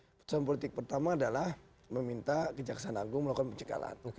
keputusan politik pertama adalah meminta kejaksaan agung melakukan pencekalan